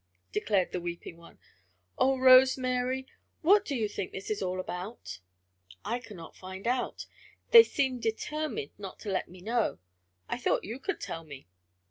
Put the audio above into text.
declared the weeping one. "Oh, Rose Mary, what do you think it is all about?" "I cannot find out. They seem determined not to let me know. I thought you could tell me."